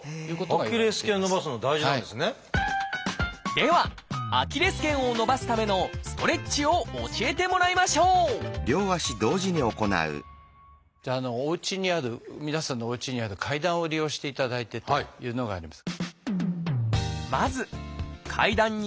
ではアキレス腱を伸ばすためのストレッチを教えてもらいましょうじゃあおうちにある皆さんのおうちにある階段を利用していただいてというのがあります。